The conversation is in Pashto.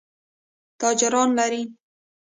تاجران لري.